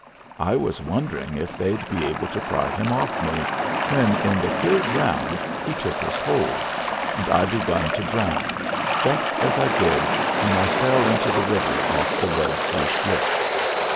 I was wondering if they'd be able to pry him off me, when, in the third round, he took his hold; and I begun to drown, just as I did when I fell into the river off the Red C slip.